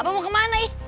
abah mau ke mana ih